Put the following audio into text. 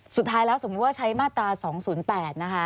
สุดท้ายแล้วสมมุติว่าใช้มาตรา๒๐๘นะคะ